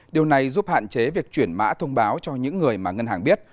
điều này giúp hạn chế việc chuyển mã thông báo cho những người mà ngân hàng biết